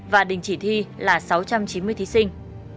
và đình chỉ thi là sáu trăm chín mươi thí sinh